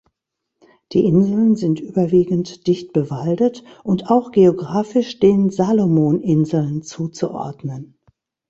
Die Inseln sind überwiegend dicht bewaldet und auch geographisch den Salomon-Inseln zuzuordnen.